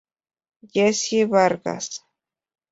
Jessie Vargas.